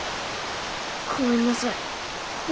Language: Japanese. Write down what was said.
ごめんなさい。